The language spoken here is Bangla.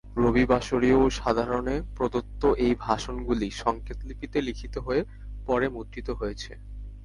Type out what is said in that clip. রবিবাসরীয় ও সাধারণে প্রদত্ত এই ভাষণগুলি সঙ্কেতলিপিতে লিখিত হয়ে পরে মুদ্রিত হয়েছে।